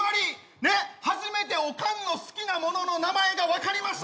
ねっ初めてオカンの好きなものの名前が分かりました